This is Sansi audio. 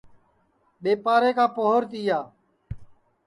ٻیپارے کا پوہر تِیا